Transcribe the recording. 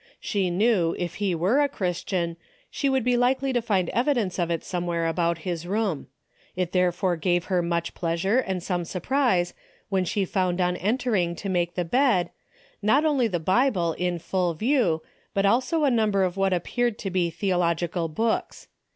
She knew, if he were a Christian, she would be likely to find evidence of it somewhere about his room. It therefore gave her much pleasure and some surprise, when she found on entering to make the bed, not only the Bible in full view, but also a number of what appeared to be theological books.